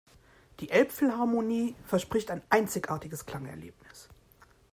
Die Elbphilharmonie verspricht ein einzigartiges Klangerlebnis.